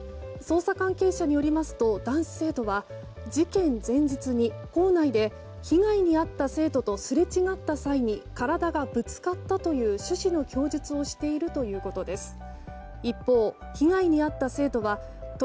捜査関係者によりますと男子生徒は事件前日に校内で被害に遭った生徒とすれ違った際に体がぶつかったという趣旨の供述をしているということです。